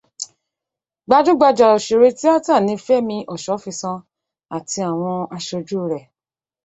Gbajúgbajà òṣèré tíátà ni Fẹ́mi Ọ̀ṣọ́fisan àti àwọn aṣojú rẹ̀